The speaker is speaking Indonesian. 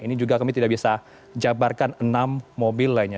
ini juga kami tidak bisa jabarkan enam mobil lainnya